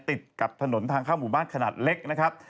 ติดกับถนนทางเข้าหมู่บ้านขนาดเล็กนะครับ